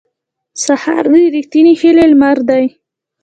سهار د رښتینې هیلې لمر دی.